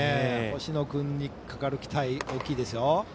星野君にかかる期待大きいですよ。